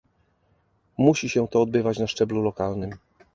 Musi się to odbywać na szczeblu lokalnym